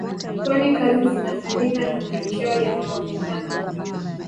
Kwani kazi zinafanyika na matokeo yanaonekana